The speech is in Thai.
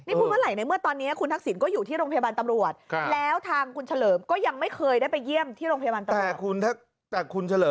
นี่พูดเมื่อไหร่ในเมื่อตอนนี้คุณทักษิณก็อยู่ที่โรงพยาบาลตำรวจแล้วทางคุณเฉลิมก็ยังไม่เคยได้ไปเยี่ยมที่โรงพยาบาลตำรวจ